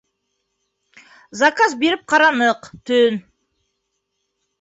Заказ биреп ҡараныҡ - төн.